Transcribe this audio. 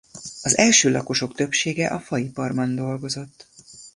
Az első lakosok többsége a faiparban dolgozott.